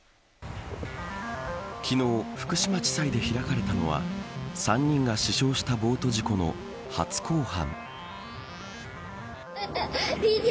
昨日、福島地裁で開かれたのは３人が死傷したボート事故の初公判。